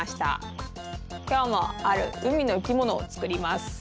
きょうもあるうみのいきものをつくります！